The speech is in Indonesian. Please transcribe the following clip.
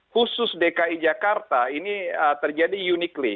khusus dki jakarta ini terjadi uniqlly